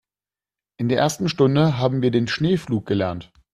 In der ersten Stunde haben wir den Schneepflug gelernt.